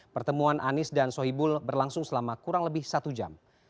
pertemuan anies dan sohibul berlangsung selama kurang lebih satu jam